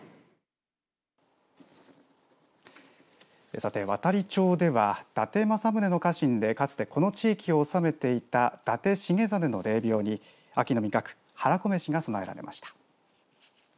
さて、亘理町では伊達政宗の家臣でかつて、この地域を治めていた伊達成実の霊びょうに秋の味覚はらこめしが供えられました。